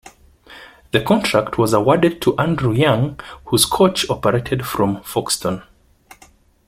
The contract was awarded to Andrew Young, whose coach operated from Foxton.